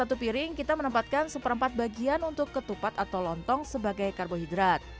satu piring kita menempatkan seperempat bagian untuk ketupat atau lontong sebagai karbohidrat